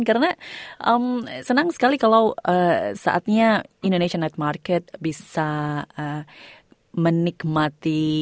karena senang sekali kalau saatnya indonesian night market bisa menikmati